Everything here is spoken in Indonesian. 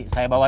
saya bawa dulu